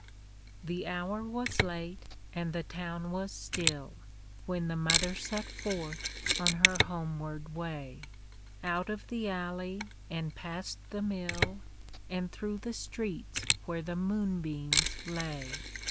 The hour was late and the town was still When the mother set forth on her home ward way, Out of the alley, and past the mill, And through the streets where the moon beams lay.